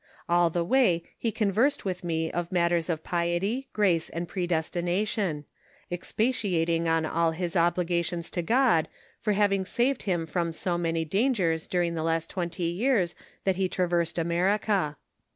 All the way he conversed with me of matters of piety, grace, and predestination ; expatiating on all his ob ligations to God for having saved him from so many dangers during the last twenty years that he had traversed America.